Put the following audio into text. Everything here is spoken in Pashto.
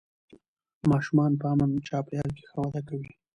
ماشومان په امن چاپېریال کې ښه وده کوي